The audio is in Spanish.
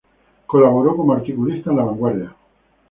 Colaboró como articulista en "La Vanguardia".